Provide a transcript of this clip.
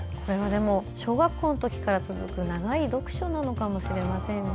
小学校の時から続く長い読書なのかもしれないですね。